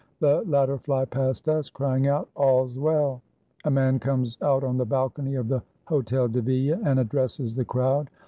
The lat ter fly past us crying out, "All's well!" A man comes out on the balcony of the Hotel de Ville and addresses the crowd.